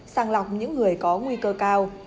sàng lọc những người có nguy cơ cao